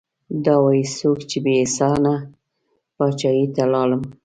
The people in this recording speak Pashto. دا وايي څوک چې بې احسانه پاچاهي ته لاړم